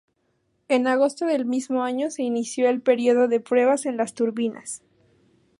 En agosto del mismo año se inició el período de pruebas de las turbinas.